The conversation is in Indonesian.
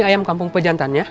ini ayam kampung pejantan ya